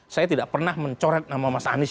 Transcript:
saya tidak pernah mencoret nama mas anies